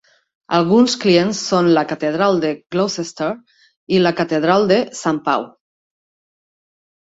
Alguns clients són la catedral de Gloucester i la catedral de Sant Pau.